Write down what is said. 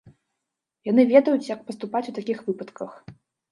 Яны ведаюць, як паступаць у такіх выпадках.